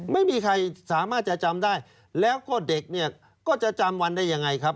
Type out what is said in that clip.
ไม่มีใครสามารถจะจำได้แล้วก็เด็กเนี่ยก็จะจำวันได้ยังไงครับ